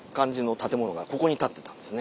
鉄塔が立ってたんですね。